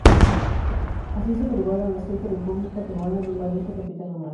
Así se privó a la naciente República Peruana de un valioso capital humano.